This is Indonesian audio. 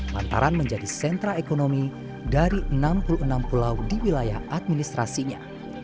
lantaran menjadi sentra ekonomi dari enam puluh enam pulau di wilayah administrasinya